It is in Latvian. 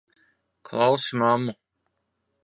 Klausi mammu!